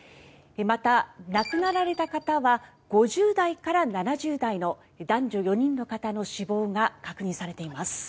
また亡くなられた方は５０代から７０代の男女４人の方の死亡が確認されています。